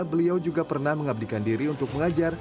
beliau juga pernah mengabdikan diri untuk mengajar